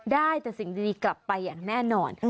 ได้แต่สิ่งดีกลับไปอย่างแน่นอน